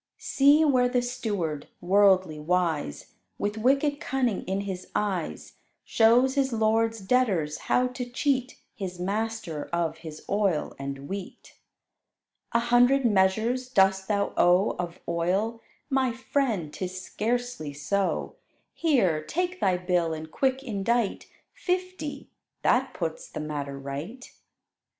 See where the steward, worldly wise, With wicked cunning in his eyes, Shows his lord's debtors how to cheat His master of his oil and wheat. "A hundred measures dost thou owe Of oil? My friend, 'tis scarcely so: Here, take thy bill and quick indite Fifty: that puts the matter right."